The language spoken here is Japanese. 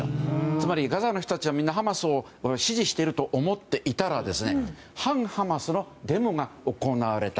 つまり、ガザの人たちはみんなハマスを支持していると思っていたら反ハマスのデモが行われた。